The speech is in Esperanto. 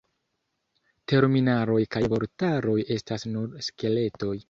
Terminaroj kaj vortaroj estas nur skeletoj.